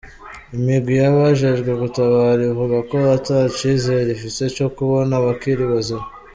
Imigwi y'abajejwe gutabara ivuga ko ata cizere ifise co kubona abakiri bazima.